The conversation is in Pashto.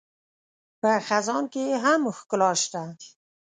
په خزان کې هم ښکلا شته